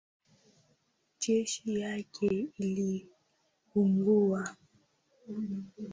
Gesi yake iliungua